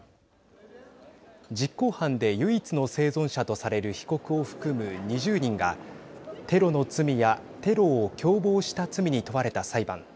実行犯で唯一の生存者とされる被告を含む２０人がテロの罪やテロを共謀した罪に問われた裁判。